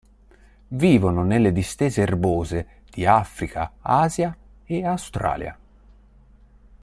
Vivono nelle distese erbose di Africa, Asia e Australia.